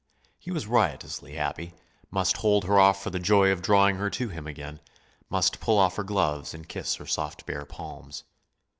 He was riotously happy, must hold her off for the joy of drawing her to him again, must pull off her gloves and kiss her soft bare palms.